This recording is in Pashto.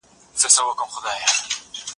تولیدي چاري د هېواد اقتصاد پیاوړی کوي.